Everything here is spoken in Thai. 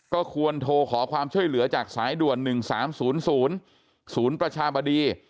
ก็ควรโทรขอความช่วยเหลือจากสายด่วน๑๓๐๐ศูนย์ประชาบดี